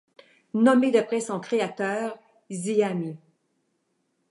Nommée d’après son créateur Zeami.